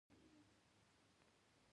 عضوي سره ځمکه قوي کوي.